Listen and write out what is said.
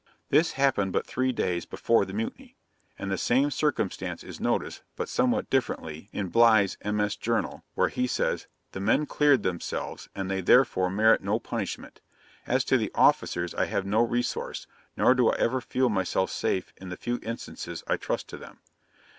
"' This happened but three days before the mutiny, and the same circumstance is noticed, but somewhat differently, in Bligh's MS. Journal, where he says, 'the men cleared themselves, and they therefore merit no punishment. As to the officers I have no resource, nor do I ever feel myself safe in the few instances I trust to them.'